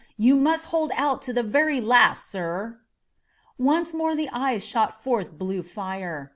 You must hold out to the very last, sir!" Once more the eyes shot forth blue fire.